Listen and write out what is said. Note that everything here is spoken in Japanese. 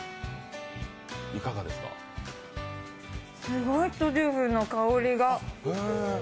すごいトリュフの香りが。